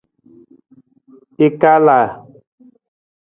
I kalaa.